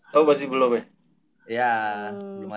tahu nggak sih belum ya